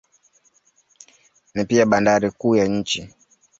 Ni pia bandari kuu ya nchi.